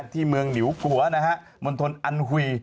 ที่เมืองหลิวกัวมณฑลอันหุย